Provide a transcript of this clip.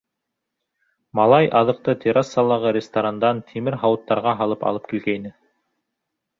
Малай аҙыҡты Террасалағы ресторандан тимер һауыттарға һалып алып килгәйне.